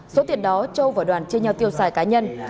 số tiền đó châu và đoàn chia nhau tiêu xài cá nhân